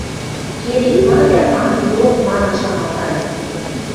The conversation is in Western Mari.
«Керек-ма, дӓ ам йӱок», – манын шаналтальым.